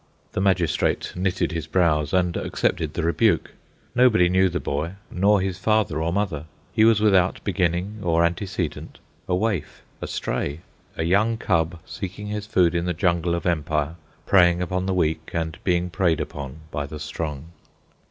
The magistrate knitted his brows and accepted the rebuke. Nobody knew the boy, nor his father or mother. He was without beginning or antecedent, a waif, a stray, a young cub seeking his food in the jungle of empire, preying upon the weak and being preyed upon by the strong.